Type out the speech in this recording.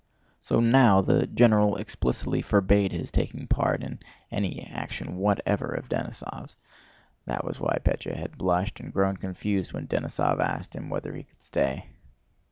So now the general explicitly forbade his taking part in any action whatever of Denísov's. That was why Pétya had blushed and grown confused when Denísov asked him whether he could stay.